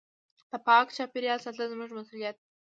د پاک چاپېریال ساتل زموږ مسؤلیت دی.